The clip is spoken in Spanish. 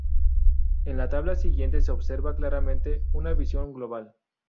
En la tabla siguiente se observa claramente una visión global.